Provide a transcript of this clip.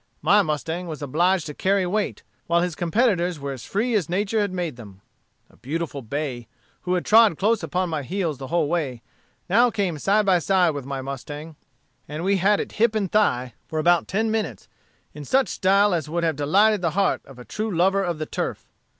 My mustang was obliged to carry weight, while his competitors were as free as nature had made them. A beautiful bay, who had trod close upon my heels the whole way, now came side by side with my mustang, and we had it hip and thigh for about ten minutes, in such style as would have delighted the heart of a true lover of the turf.